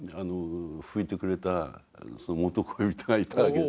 拭いてくれた元恋人がいたわけ。